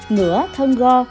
ngửa thân go